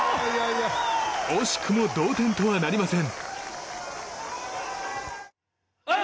惜しくも同点とはなりません。